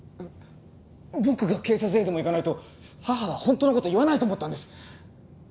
僕が警察へでも行かないと母は本当の事を言わないと思ったんです。